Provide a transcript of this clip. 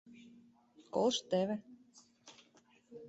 Колышт теве.